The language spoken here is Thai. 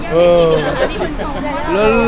หล่อยังไม่ชินเหรอ